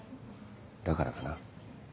だからかな。